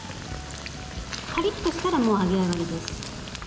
カリッとしたらもう揚げ上がりです。